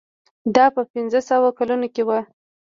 دا په پنځه سوه کلونو کې و.